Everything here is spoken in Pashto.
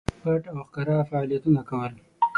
پټ او ښکاره فعالیتونه کول.